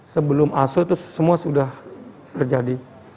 sebelum aso itu semua sudah terjadi